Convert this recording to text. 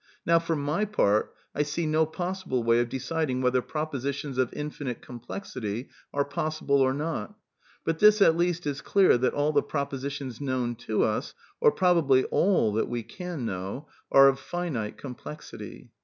... Now, for my part, I see no possible way of deciding whether propositions of infinite complexity are possible or not, but this at least is clear that all the propositions known to us (or probably all that we can know) are of figiJte<tK>mplexit ••